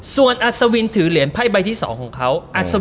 ส่วนอัศวินถือเหรียญไพ่ใบที่๒ของเขา